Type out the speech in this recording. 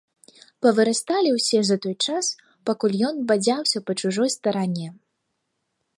Павырасталі ўсе за той час, пакуль ён бадзяўся па чужой старане.